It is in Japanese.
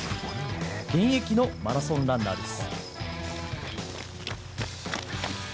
現役のマラソンランナーです。